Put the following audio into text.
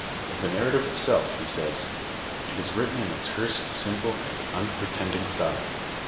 "* Of the narrative itself, he says, " It is written in a terse, simple, and unpretending style.